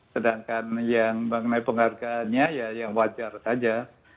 sedangkan yang mengenai penghargaannya ya yang wajar saja